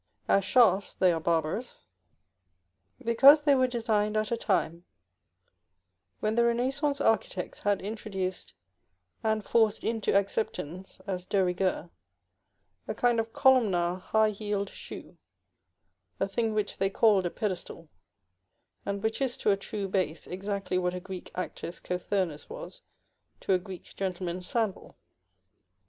As shafts they are barbarous, because they were designed at a time when the Renaissance architects had introduced and forced into acceptance, as de rigueur, a kind of columnar high heeled shoe, a thing which they called a pedestal, and which is to a true base exactly what a Greek actor's cothurnus was to a Greek gentleman's sandal.